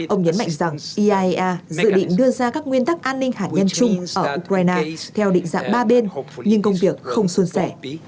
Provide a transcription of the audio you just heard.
ông nhấn mạnh rằng iaea dự định đưa ra các nguyên tắc an ninh hạt nhân chung ở ukraine theo định dạng ba bên nhưng công việc không xuân sẻ